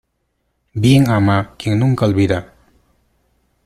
Bien ama quien nunca olvida.